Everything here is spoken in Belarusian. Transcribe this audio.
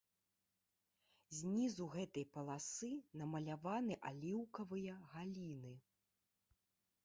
Знізу гэтай паласы намаляваны аліўкавыя галіны.